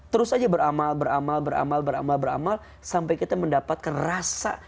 terus saja beramal beramal beramal beramal beramal sampai kita mendapatkan rasa